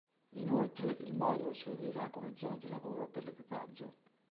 Inoltre il modulo servirà come zona di lavoro per l'equipaggio.